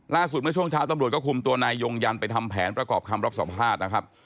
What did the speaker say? เมื่อช่วงเช้าตำรวจก็คุมตัวนายยงยันไปทำแผนประกอบคำรับสัมภาษณ์นะครับ